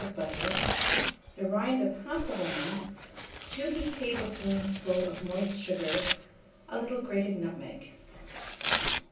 of butter, the rind of 1/2 lemon, 2 heaped tablespoonfuls of moist sugar, a little grated nutmeg.